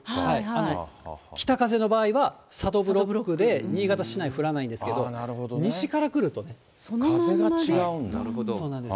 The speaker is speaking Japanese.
北風の場合は、佐渡ブロックで、新潟市内、降らないんですけれども、風が違うんだ。